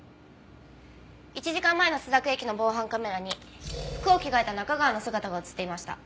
１時間前の朱雀駅の防犯カメラに服を着替えた中川の姿が映っていました。